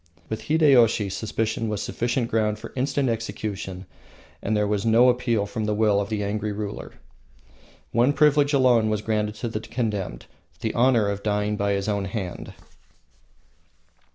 With Hideyoshi suspicion was sufficient ground for instant execution, and there was no appeal from the will of the angry ruler. One privilege alone was granted to the condemned the honor of dying by his own hand.